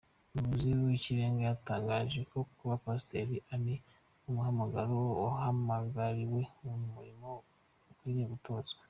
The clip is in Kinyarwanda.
Umuyobozi w Ikirenga yatangaje ko kuba Pasiteri ari umuhamagaro. Abahamagariwe uyu murimo bakwiriye gutozwa.